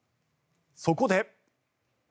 そこで。